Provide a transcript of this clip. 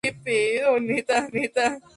Estudió economía en la Universidad de Málaga.